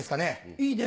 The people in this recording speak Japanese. いいね。